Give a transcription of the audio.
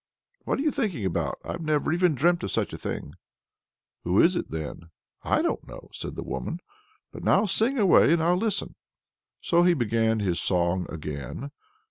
"What are you thinking about! I never even dreamt of such a thing." "Who is it, then?" "I don't know," said the woman. "But now, sing away, and I'll listen." He began his song again.